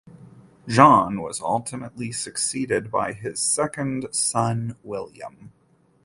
John was ultimately succeeded by his second son William.